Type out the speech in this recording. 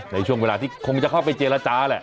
ในช่วงเวลาที่คงจะเข้าไปเจรจาแหละ